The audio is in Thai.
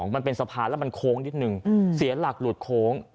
มันเป็นสะพานแล้วมันโค้งนิดนึงเสียหลักหลุดโค้ง